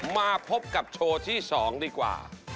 มาพบกับโชว์ที่๒ดีกว่า